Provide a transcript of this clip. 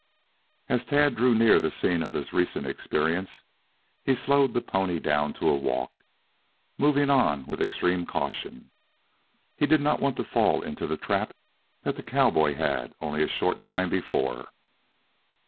As Tad drew near the scene of his recent experience, he slowed the pony down to a walk, moving on with extreme caution. He did not want to fall into the trap that the cowboy had only a short time before.